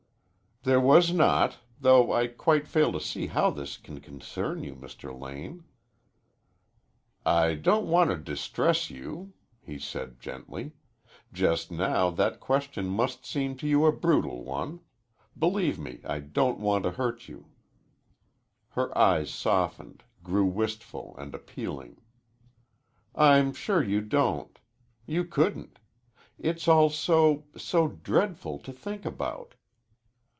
"There was not, though I quite fail to see how this can concern you, Mr. Lane." "I don't want to distress you," he said gently, "Just now that question must seem to you a brutal one. Believe me, I don't want to hurt you." Her eyes softened, grew wistful and appealing. "I'm sure you don't. You couldn't. It's all so so dreadful to think about."